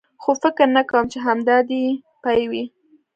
خو فکر نه کوم، چې همدا دی یې پای وي.